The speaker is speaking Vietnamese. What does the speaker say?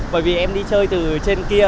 bởi vì em đi chơi từ trên kia